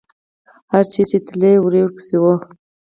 هر چېرې چې تله، وری ورپسې و.